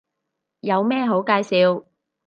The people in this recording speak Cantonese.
有咩好介紹